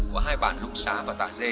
của hai bản lũng xà và tà dê